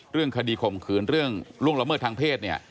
เรื่องคดีข่มขืนเรื่องล่วงละเมิดทางเพศเนี่ย